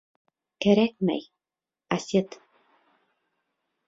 — Кәрәкмәй, Асет.